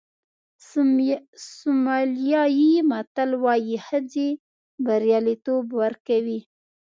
سومالیایي متل وایي ښځې بریالیتوب ورکوي.